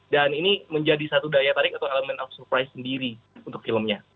dan ini menjadi satu daya tarik atau elemen of surprise sendiri untuk filmnya